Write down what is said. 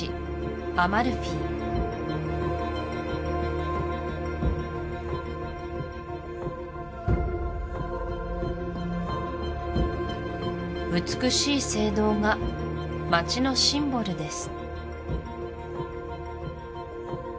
アマルフィ美しい聖堂が街のシンボルです